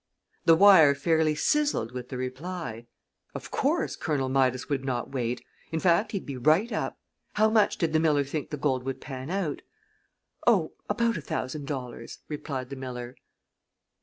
The wire fairly sizzled with the reply. Of course, Colonel Midas would not wait. In fact, he'd be right up. How much did the miller think the gold would pan out? "Oh, about a thousand dollars," replied the miller.